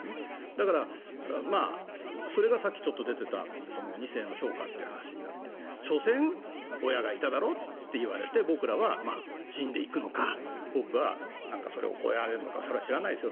だからそれがさっきちょっと出ていた２世の評価という話になって所詮、親がいただろと言われて僕らは死んでいくのか僕はそれを超えられるのかそれは知らないですよ。